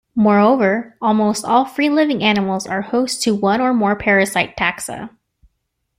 Moreover, almost all free-living animals are host to one or more parasite taxa.